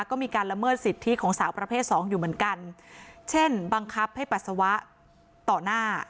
ก็มีการละเมิดสิทธิของสาวประเภทสองอยู่เหมือนกันเช่นบังคับให้ปัสสาวะต่อหน้า